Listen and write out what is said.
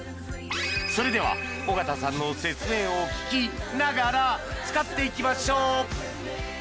それでは尾形さんの説明を聞き「ながら」使っていきましょう！